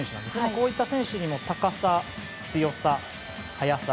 こういった選手にも高さ、強さ、速さ。